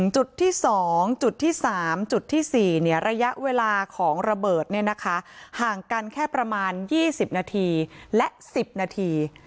จุดที่๒จุดที่๓จุดที่๔ระยะเวลาของระเบิดห่างกันแค่ประมาณ๒๐นาทีและ๑๐นาที